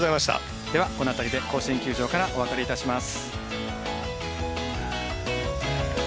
この辺りで甲子園球場からお別れいたします。